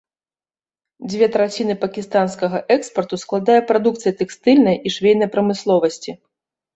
Дзве траціны пакістанскага экспарту складае прадукцыя тэкстыльнай і швейнай прамысловасці.